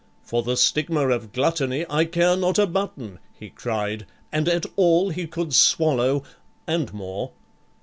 "For the stigma of gluttony, I care not a button!" he Cried, and ate all he could swallow and more.